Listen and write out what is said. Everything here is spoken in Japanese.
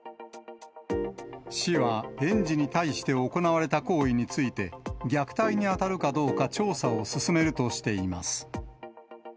市は、園児に対して行われた行為について、虐待に当たるかどうか調査を進めるとしています。